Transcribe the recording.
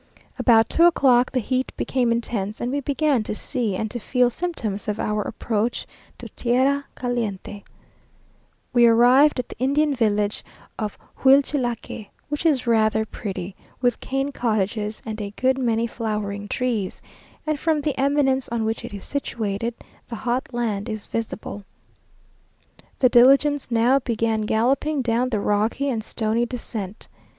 About two o'clock the heat became intense, and we began to see and to feel symptoms of our approach to tierra caliente. We arrived at the Indian village of Huichilaque, which is rather pretty, with cane cottages and a good many flowering trees; and from the eminence on which it is situated, the hot land is visible. The diligence now began galloping down the rocky and stony descent.